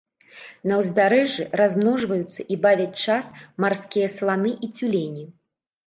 На ўзбярэжжы размножваюцца і бавяць час марскія сланы і цюлені.